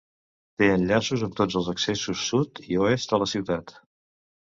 Té enllaços amb tots els accessos sud i oest a la ciutat.